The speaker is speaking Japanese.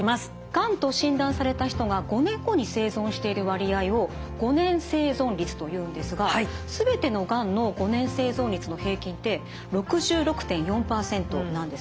がんと診断された人が５年後に生存している割合を５年生存率というんですが全てのがんの５年生存率の平均って６６．４％なんですね。